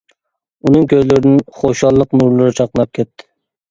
ئۇنىڭ كۆزلىرىدىن خۇشاللىق نۇرلىرى چاقناپ كەتتى.